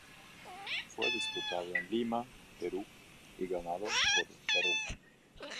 Fue disputado en Lima, Perú y ganado por Perú.